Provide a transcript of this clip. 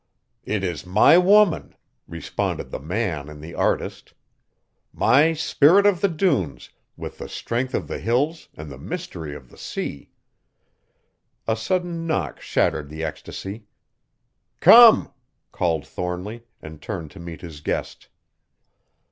"It is my woman!" responded the man in the artist. "My Spirit of the dunes with the strength of the Hills and the mystery of the sea." A sudden knock shattered the ecstasy. "Come!" called Thornly and turned to meet his guest.